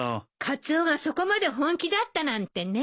カツオがそこまで本気だったなんてね。